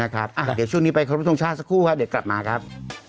เดี๋ยวช่วงนี้ไปครบทรงชาติสักครู่ครับเดี๋ยวกลับมาครับ